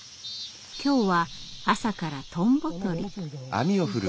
今日は朝からトンボとり。